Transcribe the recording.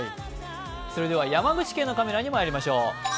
それでは山口県のカメラにまいりましょう。